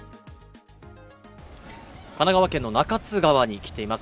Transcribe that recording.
神奈川県の中津川に来ています。